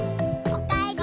おかえり！